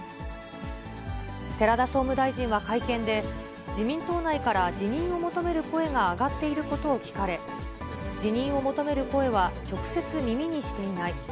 寺田総務大臣は会見で、自民党内から辞任を求める声が上がっていることを聞かれ、辞任を求める声は直接耳にしていない。